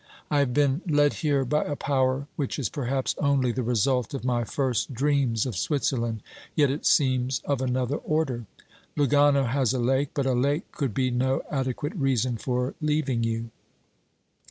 I have been led here by a power which is perhaps only the result of my first dreams of Switzerland, yet it seems of another order. Lugano has a lake, but a lake could be no adequate reason for leaving you.